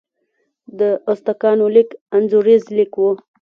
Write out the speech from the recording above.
د ازتکانو لیک انځوریز لیک و.